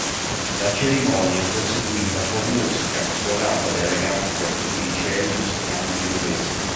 La cerimonia è proseguita con musica, suonata dai ragazzi di alcuni licei musicali genovesi.